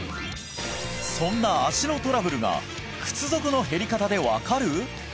そんな足のトラブルが靴底の減り方で分かる？